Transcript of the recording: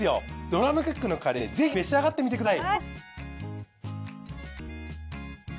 ドラムクックのカレーねぜひ召し上がってみてください。